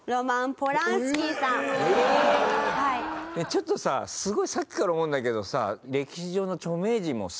ちょっとさすごいさっきから思うんだけどさ。